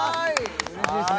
うれしいですね